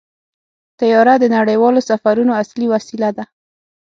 طیاره د نړیوالو سفرونو اصلي وسیله ده.